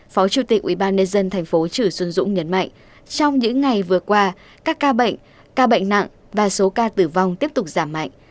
phó chủ tịch ubnd tp chử xuân dũng nhấn mạnh trong những ngày vừa qua các ca bệnh ca bệnh nặng và số ca tử vong tiếp tục giảm mạnh